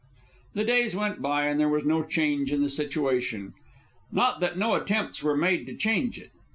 The days went by, and there was no change in the situation. Not that no attempts were made to change it.